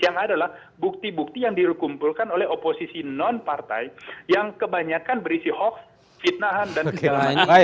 yang adalah bukti bukti yang dikumpulkan oleh oposisi non partai yang kebanyakan berisi hoax fitnahan dan segala macam